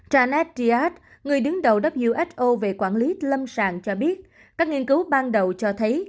tranet riad người đứng đầu who về quản lý lâm sàng cho biết các nghiên cứu ban đầu cho thấy